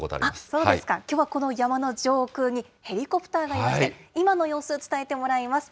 そうですか、きょうはこの山の上空に、ヘリコプターがいまして、今の様子を伝えてもらいます。